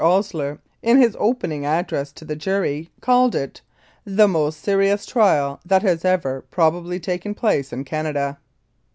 Osier in his opening address to the jury called it "The most serious trial that has ever probably taken place in Canada."